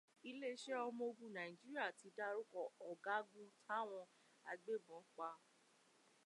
Iléeṣẹ́ ọmọogun Nàíjíríà ti dárúkọ ọ̀gágun táwọn agbébọn pa.